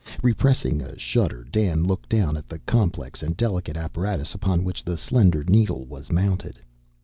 Repressing a shudder, Dan looked down at the complex and delicate apparatus upon which the slender needle was mounted.